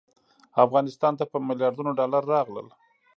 افغانستان ته په میلیاردونو ډالر راغلل.